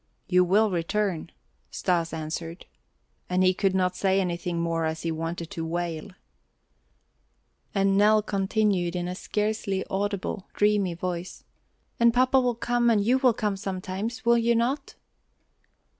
"You will return," Stas answered. And he could not say anything more as he wanted to wail. And Nell continued in a scarcely audible, dreamy voice: "And papa will come and you will come sometime, will you not?"